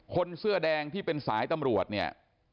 คนเสื้อแดงที่เป็นสายตำรวจเนี่ย